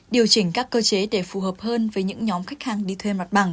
điều chỉnh các cơ chế để phù hợp hơn với những nhóm khách hàng đi thuê mặt bằng